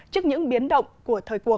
trước những biến động của thời cuộc